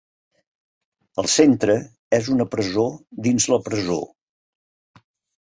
El centre és una presó dins la presó.